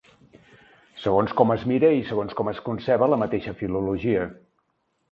Segons com es mire i segons com es conceba la mateixa filologia.